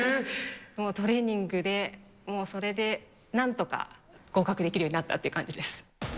もう、トレーニングで、もうそれで、なんとか合格できるようになったという感じです。